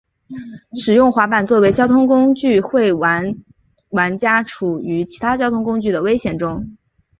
使用滑板作为交通工具会使玩家处于其他交通工具的危险中。